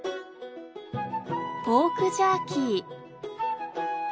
ポークジャーキー。